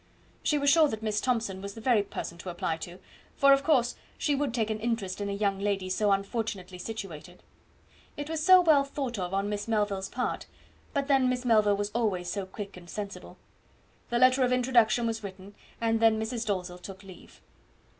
She was sure that Miss Thomson was the very person to apply to, for of course she would take an interest in a young lady so unfortunately situated. It was so well thought of on Miss Melville's part; but then Miss Melville was always so quick and sensible. The letter of introduction was written, and then Mrs. Dalzell took leave.